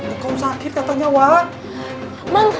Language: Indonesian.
ibu sakit katanya wak